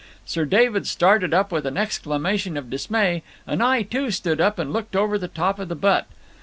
Sir David started up with an exclamation of dismay, and I, too, stood up and looked over the top of the butt.